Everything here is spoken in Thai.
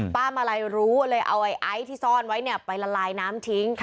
ป้ามะไหล่รู้เลยเอาไอซ์ที่ซ่อนไว้ไปละลายน้ำทิ้ง